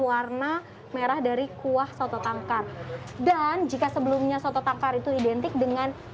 warna merah dari kuah soto tangkar dan jika sebelumnya soto tangkar itu identik dengan